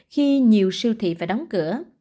khi nhiều siêu thị phải đóng cửa